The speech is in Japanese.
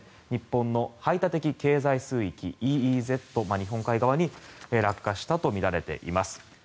日本の排他的経済水域・ＥＥＺ日本海側に落下したとみられています。